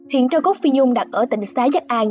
hiện trâu cốt phi nhung đặt ở tỉnh xá giách an